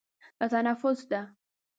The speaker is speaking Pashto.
دا تنفس ده.